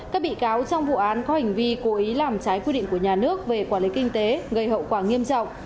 các bị cáo trong vụ án có hành vi cố ý làm trái quy định của nhà nước về quản lý kinh tế gây hậu quả nghiêm trọng